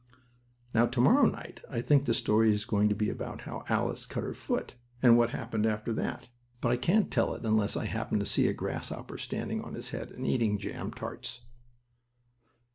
Now to morrow night I think the story is going to be about how Alice cut her foot, and what happened after it. But I can't tell it unless I happen to see a grasshopper standing on his head and eating jam tarts.